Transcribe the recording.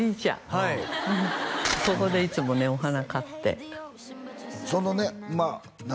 はいここでいつもねお花買ってそのね何？